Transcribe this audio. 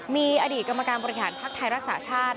มีอดีตกรรมการบริหารภักดิ์ไทยรักษาชาติ